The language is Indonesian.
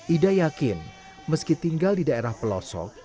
ida yakin meski tinggal di daerah pelosok